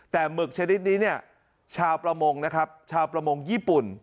แต่หมึกชนิดนี้เนี่ยชาวประมงนะครับชาวประมงญี่ปุ่น